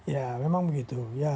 ya memang begitu